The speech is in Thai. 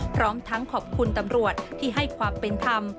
พร้อมทั้งขอบคุณตำรวจที่ให้ความเป็นธรรม